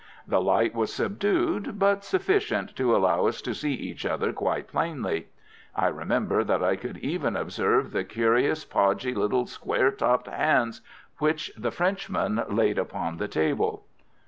The light was subdued, but sufficient to allow us to see each other quite plainly. I remember that I could even observe the curious, podgy little square topped hands which the Frenchman laid upon the table.